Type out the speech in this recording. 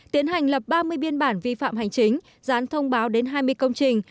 tiến hành lập ba mươi biên bản vi phạm hành chính dán thông báo đến hai mươi công trình